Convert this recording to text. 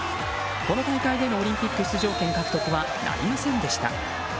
この大会でのオリンピック出場権獲得はなりませんでした。